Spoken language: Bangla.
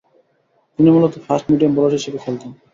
তিনি মূলতঃ ফাস্ট-মিডিয়াম বোলার হিসেবে খেলতেন।